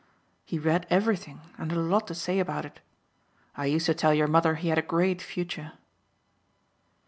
He read everything and had a lot to say about it. I used to tell your mother he had a great future."